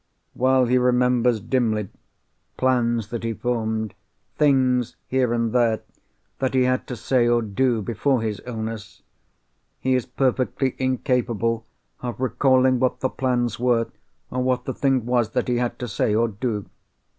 While he remembers dimly plans that he formed—things, here and there, that he had to say or do before his illness—he is perfectly incapable of recalling what the plans were, or what the thing was that he had to say or do.